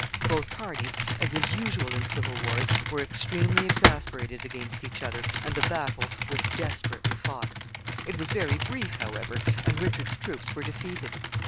Both parties, as is usual in civil wars, were extremely exasperated against each other, and the battle was desperately fought. It was very brief, however, and Richard's troops were defeated.